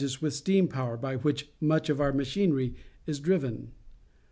us with steam power, by which much of our machinery is driven.